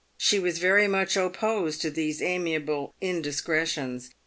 She was very much op posed to these amiable indiscretions.